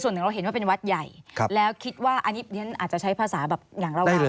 ส่วนหนึ่งเราเห็นว่าเป็นวัดใหญ่แล้วคิดว่าอันนี้อาจจะใช้ภาษาแบบอย่างเราได้